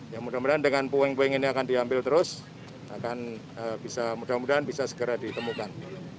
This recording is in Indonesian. ya mudah mudahan dengan puing puing ini akan diambil terus akan bisa mudah mudahan bisa segera ditemukan